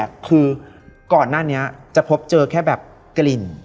คือก่อนหน้านี้จะพบเจอแค่แบบกลิ่น